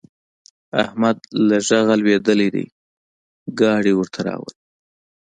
احمد له غږه لوېدلی دی؛ ګاډی ورته راولي.